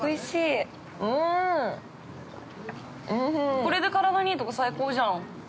◆これで体にいいとか最高じゃん。